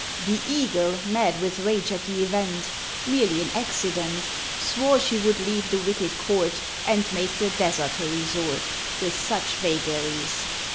The Eagle, mad with rage at the event (Merely an accident), Swore she would leave the wicked court, And make the desert her resort; With such vagaries.